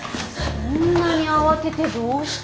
そんなに慌ててどうしたの？